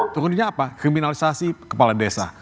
turunnya apa kriminalisasi kepala desa